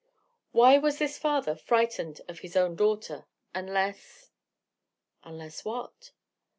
Why was this father frightened of his own daughter, unless——? Unless what?